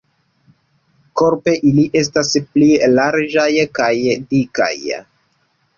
Korpe ili estas pli larĝaj kaj dikaj.